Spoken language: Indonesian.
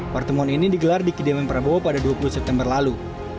pertemuan ini digelar di kediaman prabowo pada dua puluh september lalu